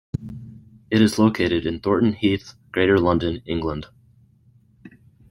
It is located in Thornton Heath, Greater London, England.